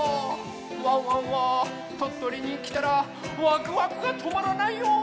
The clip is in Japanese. ワンワンはとっとりにきたらワクワクがとまらないよ！